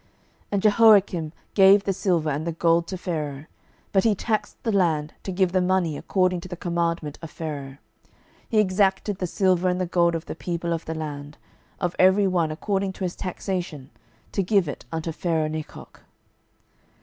12:023:035 And Jehoiakim gave the silver and the gold to Pharaoh; but he taxed the land to give the money according to the commandment of Pharaoh: he exacted the silver and the gold of the people of the land, of every one according to his taxation, to give it unto Pharaohnechoh.